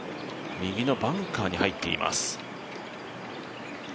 右のバンカーに入っています。